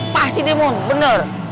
pasti deh mon bener